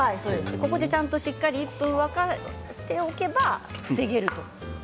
ここでしっかりと沸かしておけば防げると。